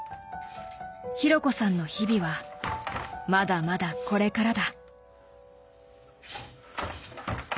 紘子さんの日々はまだまだこれからだ。